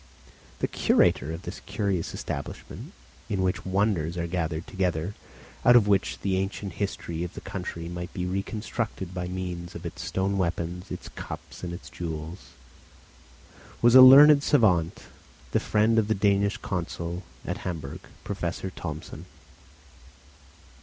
The curator of this curious establishment, in which wonders are gathered together out of which the ancient history of the country might be reconstructed by means of its stone weapons, its cups and its jewels, was a learned savant, the friend of the Danish consul at Hamburg, Professor Thomsen.